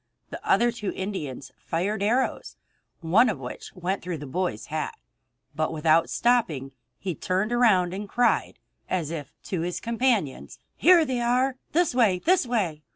The other two Indians fired arrows, one of which went through the boy's hat; but without stopping, he turned around and cried, as if to his companions: "Here they are! This way! This way!"